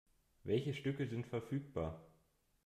Welche Stücke sind verfügbar?